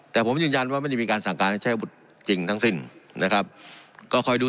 แต่ผมยืนยันว่าไม่ได้มีการสั่งการให้ใช้อาวุธจริงทั้งสิ้นนะครับก็คอยดู